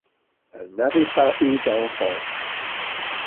Elle n'avait pas eu d'enfants.